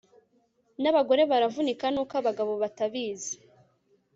nabagore baravunika nuko abagabo batabizi